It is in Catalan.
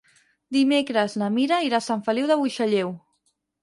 Dimecres na Mira irà a Sant Feliu de Buixalleu.